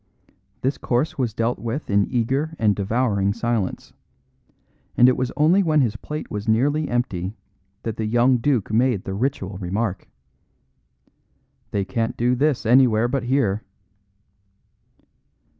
This course was dealt with in eager and devouring silence; and it was only when his plate was nearly empty that the young duke made the ritual remark: "They can't do this anywhere but here."